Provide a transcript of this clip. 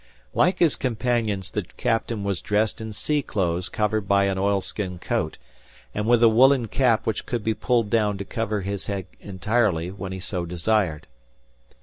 Like his companions the captain was dressed in sea clothes covered by an oil skin coat, and with a woolen cap which could be pulled down to cover his head entirely, when he so desired.